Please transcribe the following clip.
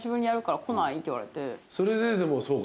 それででもそうか。